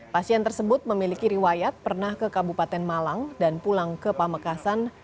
pasien tersebut memiliki riwayat pernah ke kabupaten malang dan pulang ke pamekasan